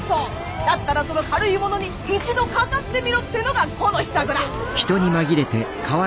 だったらその軽いものに一度かかってみろってのがこの秘策だ！